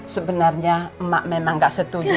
sebenarnya emak memang gak setuju